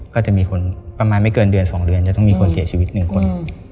ก็จะมีคนประมาณไม่เกินเดือน๒เดือนจะต้องมีคนเสียชีวิต๑คน